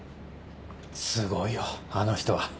すごいよあの人は。